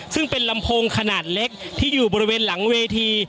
ซึ่งเป็นลำโพงขนาดเล็กที่อยู่บริเวณหลังเวที